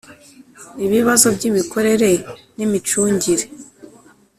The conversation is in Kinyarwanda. ibibazo by imikorere n imicungire